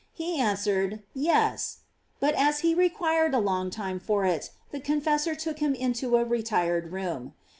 He answered, yes; but as he requir ed a longtime for it, the confessor took him into a retired room.